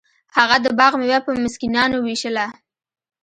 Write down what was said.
هغه د باغ میوه په مسکینانو ویشله.